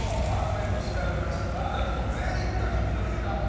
アーカイブを調べましたら何と全員が引っ掛かっていた